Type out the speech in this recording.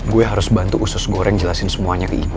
gue harus bantu usus goreng jelasin semuanya ke ibu